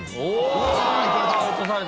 うわいかれた。